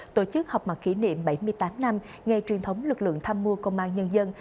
tổ chức học mặt kỷ niệm bảy mươi tám năm ngày truyền thống lực lượng tham mưu công an nhân dân